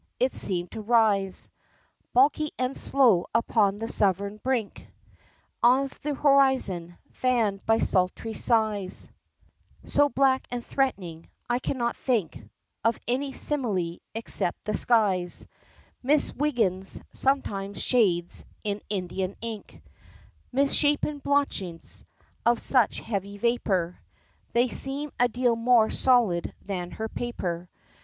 It seemed to rise Bulky and slow upon the southern brink Of the horizon fanned by sultry sighs So black and threatening, I cannot think Of any simile, except the skies Miss Wiggins sometimes shades in Indian ink Mis shapen blotches of such heavy vapor, They seem a deal more solid than her paper.